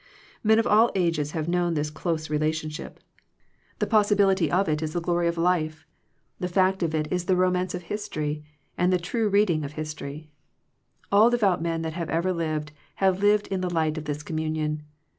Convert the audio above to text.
Men of all ages have known this close relationship. The possibility of it is the 22} Digitized by VjOOQIC THE HIGHER FRIENDSHIP glory of life: the fact of it is the romance of history, and the true reading of history. All devout men that have ever lived have lived in the light of this communion.